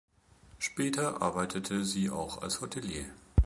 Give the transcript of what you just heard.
Später arbeitete sie auch als Hotelier.